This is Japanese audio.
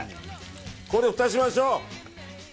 これで、ふたしましょう。